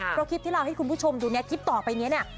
เพราะคลิปที่เราให้คุณผู้ชมดูเนี่ยคลิปต่อไปนี้เนี่ย